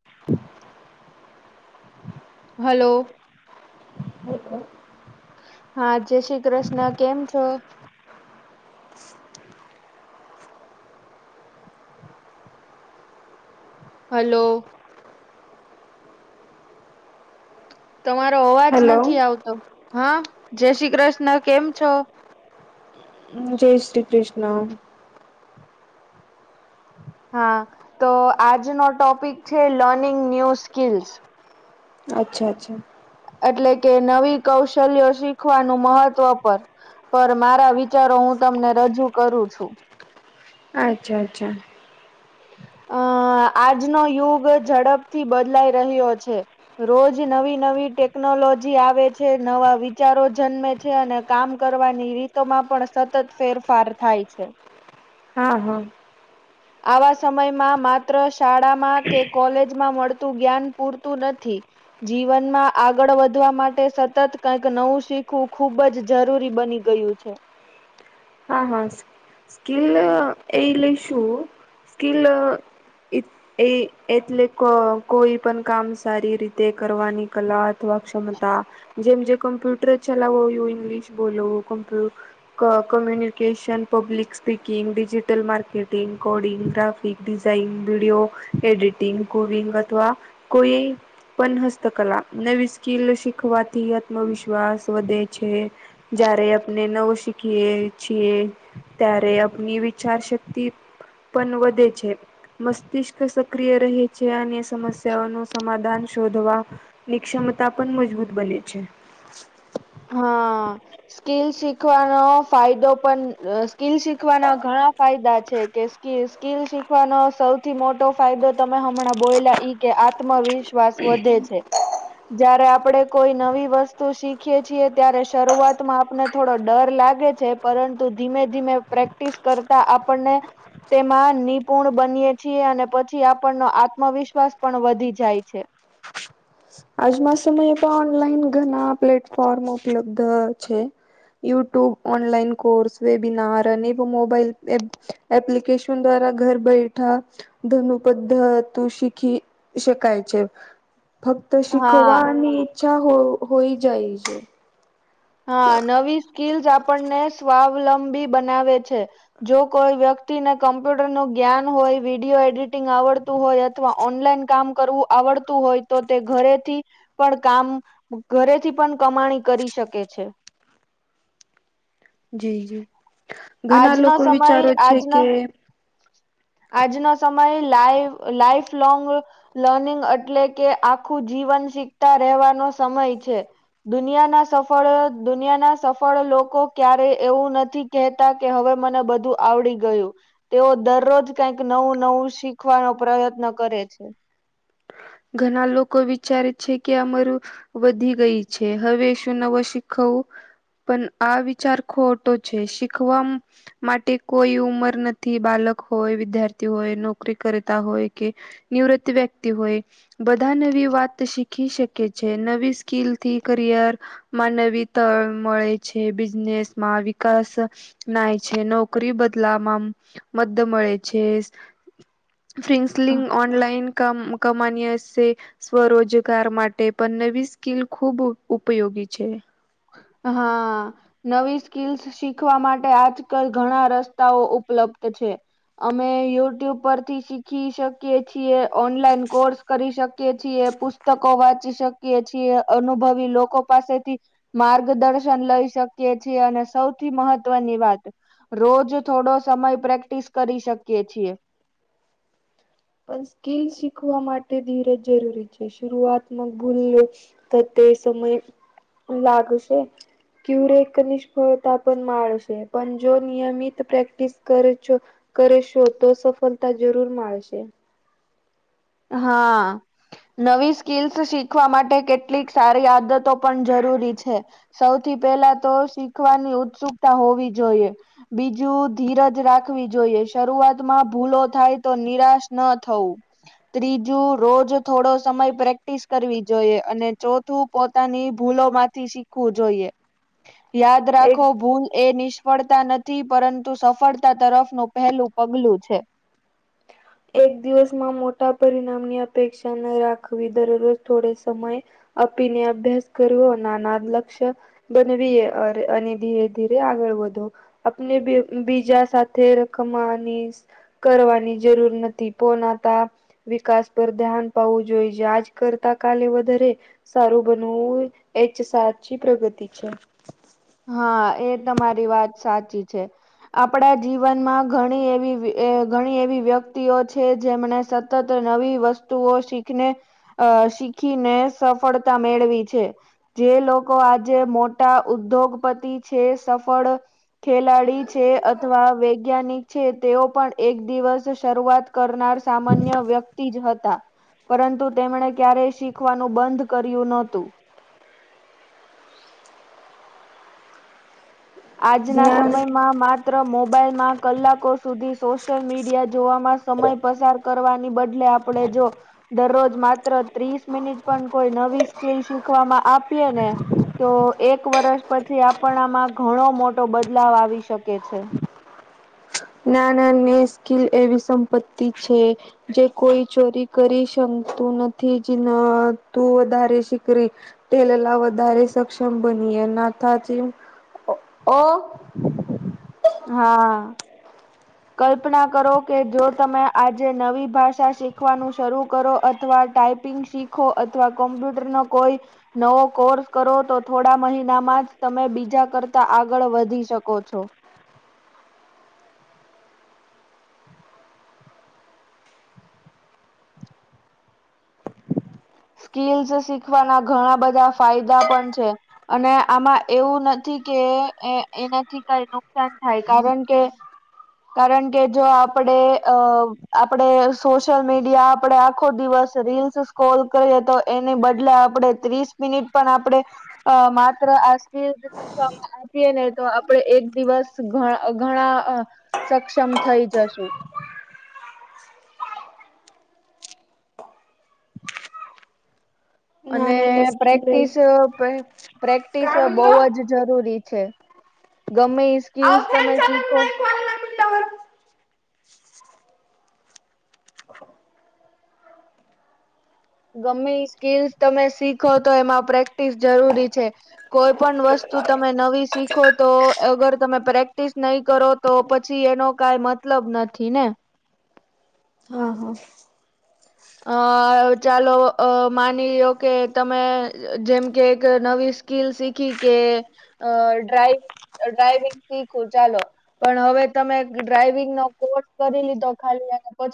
[inaudible] Hello. [unintelligible] હા જય શ્રી કૃષ્ણ કેમ છો? હલો. તમારો અવાજ હેલો નથી આવતો હા જય શ્રી કૃષ્ણ કેમ છો? જય શ્રી કૃષ્ણ હા તો આજનો ટોપિક છે લર્નિંગ ન્યૂ સ્કીલ્સ અચ્છા અચ્છા એટલે કે નવી કૌશલ્યો શીખવાનું મહત્વ પર પર મારા વિચારો હું તમને રજૂ કરું છું. અચ્છા અચ્છા અમ આજનો યુગ ઝડપથી બદલાઈ રહ્યો છે. રોજ નવી નવી ટેકનોલોજી આવે છે, નવા વિચારો જન્મે છે અને કામ કરવાની રીતોમાં પણ સતત ફેરફાર થાય છે. હા હા આવા સમયમાં માત્ર શાળામાં કે કોલેજમાં મળતું જ્ઞાન પૂરતું નથી જીવનમાં આગળ વધવા માટે સતત કઈક નવું શીખવું ખુબ જ જરૂરી બની ગયું છે. હા હા સ્કીલ એ લઈ શું સ્કીલ? એ. એ એટલે કોઈ પણ કામ સારી રીતે કરવાની કલા અથવા ક્ષમતા. જેમજ જે કમ્પ્યુટર ચલાવું ઇંગ્લિશ બોલવું કમ્યુનિકેશન ન [unintelligible] public speaking, digital marketing, coding graphic design, video editing coding અથવા કોઈ પણ હસ્તકલા નવી સ્કિલ શીખવાથી આત્મવિશ્વાસ વધે છે. જ્યારે આપણે નવું શીખીએ. છ ત્યારે અની વિચાર શક્તિ પણ વધે છે. મસ્તિષ્ક સક્રિય રહે છે અને સમસ્યાઓ ન સમાધાન શોધવા. નિક્ષમતા પણ મજબૂત બને છે. હા. સ્કીલ શીખવાનો ફાયદો પણ સ્કીિલ શીખવાના ઘણા ફાયદા છે કે કે સ્કીિલ શીખવાનો સૌથી મોટો ફાયદો તમે હમણાં બોયલા ઈ કે આત્મવિશ્વાસ વિશ્વાસ વધે છે જયારે આપણે કોઈ નવી વસ્તુ શીખ ત્યારે શરૂઆતમાં આપને થોડો ડર લાગે છે પરંતુ ધીમે ધીમે પ્રેક્ટિસ પ્રક્ટિસ કરતા આપણને તેમાં નિપુણ બનીય છીએ અને પછી આપણનો આત્મવિશ્વાસ પણ વધી જાય છે. આજમાં સમયે પણ ઓનલાઈન ઘણા પ્લેટફોર્મ ઉપલબ્ધ છે. યુટ્યુબ, ઓનલાઈન કોર્સ, વેબનાાર અનેક મોબાઈલ એપ્લિકેશન દ્વારા ઘર બેઠા ધનુ પદ્ધત શીખી શકાય છે ફક્ત તો હા શીખવાની ઈચ્છા હો હોઈ જાય છે. હા નવી સ્કીલ્સ આપણને સ્વાવલંબી બનાવે છે. જો કોઈ વ્યક્તિને કમ્પ્યુટર નું જ્ઞાન હોય વિડીિયો એડિટિંગ આવડતું હોય. શીખવા ઓનલાઈન કામ કરવું આવડતું હોય તો તે ઘરેથી પણ કામ ઘરેથી પણ કમાણી કરી શકે છે. જી જી ઘણા આજનો લોકો સમય વિચારો છે કે આજના આજનો સમય લાઈ લાઈફ લોંગ લર્નિંગ એટલે કે આખું જીવન શીખતા રહેવાનો સમય છે. દુનિયાના સફળ દુનિયાના સફળ લોકો ક્યારે એવું નથી કે કે હવે મને બધું આવડી ગયું. તેઓ દરરોજ કઈક નવું નવું શીખવાનો પ્રયત્ન કરે છે. ઘણા લોકો વિચારે છે કે અમારું વધી ગઈ છે હવે શું નવુ શીખવું? પણ આ વિચાર ખોટો છે શીખવા માટે કોઈ ઉંમર નથી બાળક હોય વિદ્યાર્થી હોય નોકરી કરતા હોય કે નિવૃત્ત વ્યક્તિ હોય. બધા નવી વાત શીખી શકે છે નવી સ્કીલથી કરિયર માનવીતા મળે છે બિઝનેસ માં વિકાસ નાય છે નોકરી બદલામાં મદ મળે છે. [inaudible] ફ્રિન્સલિંગ ઓનલાઈન કામ સામાન્ય સ્વરોજગાર માટે પણ નવી સ્કીલ ખૂબ ઉપયોગી છે. હા. નવી સ્કિલ્સ શીખવા માટે આજ કલ ઘણા રસ્તાઓ ઉપલબ્ધ છે. અમે યુટ્યુબ પરથી શીખી શકીએ છીએ ઓનલાઈન કોર્સ કરી શકે. છીએ પુસ્તકો વાંચી શકીએ છીએ અનુભવી લોકો પાસેથી. માર્ગદર્શન લઈ શકીએ છીએ અને સૌથી મહત્વની વાત. રોજ થોડો સમય પ્રેક્ટિસ કરી શકીએ છીએ. પણ સ્કીલ શીખવા માટે ધીરજ જરૂરી છે શરૂઆતમક ભૂલ તો તે સમય લાગશે. ક્યુરેક નિષ્ફળતા પણ માળશે પણ જો નિયમિત પ્રેક્ટિસ કરે છો. કરશું તો સફળતા જરૂર મળશે. હા નવી સ્કીલ્સ શીખવા માટે કેટલીક સારી આદતો પણ જરૂરી છે. સૌથી પેલા તો શીખવાની ઉત્સુકતા હોવી જોઈએ. બીજું ધીરજ રાખવી જોઈએ શરૂઆતમાં ભૂલો થાય તો નિરાશ ન થવું. ત્રીજું રોજ થોડો સમય પ્રેક્ટિસ કરવી જોઈએ અને ચોથું પોતાની ભૂલો માંથી શીખવું જોઈએ યાદ એક રાખો ભૂલ એ નિસ્ સફળતા નથી પરંતુ સફળતા તરફ નું પહેલું પગલું છે. એક દિવસમાં મોટા પરિણામની અપેક્ષા ન રાખવી દરરોજ થોડે સમય આપીને અભ્યાસ કરવો નાનાદ લક્ષ્ય બનેવીએ અરે અને ધીરે ધીરે આગળ વધો. આપને બી બીજા સાથે રકમાની કરવાની જરૂર નથી પોનાતા વિકાસ પર ધ્યાન પાવવું જોઈ છે આજ કરતા કાલે વધારે સારું બનવું એચ સાચી પ્રગતિ છે. હા એ તમારી વાત સાચી છે. આપણા જીવનમાં ઘણી એવી ઘણી એવી વ્યક્તિઓ છે જેમને સતત નવી વસ્તુઓ શીખને અ શીખીને સફળતા મેળવી છે. જે લોકો આજે મોટા ઉદ્યોગપતિ છે સફળ ખેલાડી છે અથવા વૈજ્ઞાનિક છે તેઓ પણ એક દિવસ શરૂઆત કરનાર સામાન્ય વ્યક્તિ જ હતા પરંતુ તેમણે ક્યારેય શીખવાનું બંધ કર્યું નહોતું. આજના જ્ઞાન સમયમાં માત્ર માત્ર મોબાઈલમાં કલાકો સુધી સોશિયલ મીડિયા જોવામાં સમય પસાર કરવાની બદલે આપડે જો દરરોજ માત્ર ત્રીસ મિનિટ પણ કોઈ નવી સ્કીિલ શીખવામાં આપીએે ને તો એક વર્ષ પછી આપણા આમાં ઘણો મોટો બદલાવ આવી શકે છે. નાના ને સ્કીલ એવી સંપત્તિ છે જે કોઈ ચોરી કરી શકતું નથી જ તું વધારે સીકરી લલા વધારે સક્ષમ બનીએ નાથાચ અ [unintelligible] [unintelligible] હા. કલ્પના કરો કે જો તમે આજે નવી ભાષા શીખવાનું શરૂ કરો અથવા ટાઈઇપિંગ શીખો અથવા કોમ્પ્યુટર નો કોઈ નવો કોર્સ કરો તો થોડા મહિનામાં જ તમે બીજા કરતા આગળ વધી શકો છો. સ્કીલ્સ જે શીખવાના ઘણા બધા ફાયદા પણ છે. અને આમાં એવું નથી કે એ એનાથી કઈ નુકસાન થાય કારણ કે કારણ કે જો આપડે અ આપડે સોશિયલ મીડિયા આપડે આખો દિવસ રીલ્સ કોલ કરીએ તો એની બદલે આપણે ત્રીસ મિનિટ પણ આપણેે અ માત્ર આજ થી જ આપીએ ને તો આપડે એક દિવસ ગણા ગણા સક્ષમ થઈ જશું. અને જ્ઞાન સ્કીલ એ પ્રેક્ટિસ‌ અ પ્રેક્ટિસ બ‌ઉ જ જરૂરી છે. ગમે સ્કીલસ તમે શીખો. ગમે સ્કીલ તમે શીખો તો એમાં પ્રેક્ટિસ જરૂરી છે. કોઈ પણ વસ્તુ તમે નવી શીખો તો અગર તમે પ્રેક્ટિસ નહી કરો તો પછી એનો કઈ મતલબ નથી ને. હા હા. અ ચાલો અ માની લો કે તમે જેમ કે એક નવી સ્કીલ શીખી કે અ ડ્રાઈવ ડ્રાઈવિંગ શીખું ચાલો. પણ હવે તમે ડ્રાઈવિંગ ના કોર્સ કરી લીધો ખાલી પછી